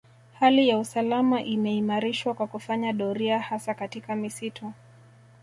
Hali ya usalama imeimarishwa kwa kufanya doria hasa katika misitu